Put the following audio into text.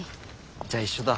じゃあ一緒だ。